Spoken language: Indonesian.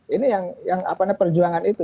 ini yang perjuangan itu